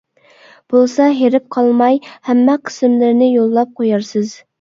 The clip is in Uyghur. بولسا ھېرىپ قالماي ھەممە قىسىملىرىنى يوللاپ قويارسىز.